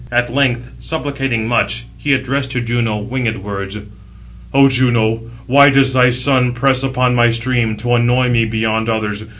At length, supplicating much, he addressed to Juno winged words: "O Juno, why does thy son press upon my stream, to annoy [me] beyond others?